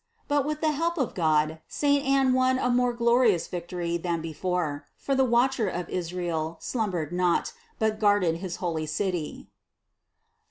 But with the help of God saint Anne won a more glorious victory than before; for the watcher of Israel slumbered not, but guarded his holy City (Ps.